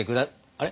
あれ？